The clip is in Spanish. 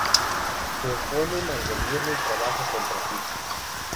Se oponen al gobierno y trabaja contra Circus.